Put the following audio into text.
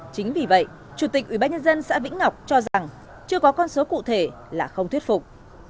chính vì vậy chủ tịch ủy ban nhân dân xã vĩnh ngọc cho rằng chưa có con số cụ thể là không thuyết phục